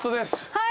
はい。